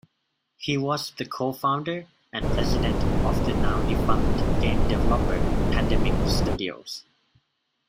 He was the co-founder and president of the now defunct game developer Pandemic Studios.